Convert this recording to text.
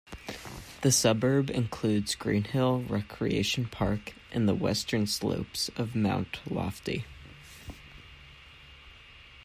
The suburb includes Greenhill Recreation Park and the western slopes of Mount Lofty.